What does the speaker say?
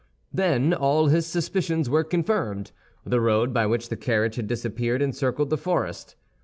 Then all his suspicions were confirmed; the road by which the carriage had disappeared encircled the forest.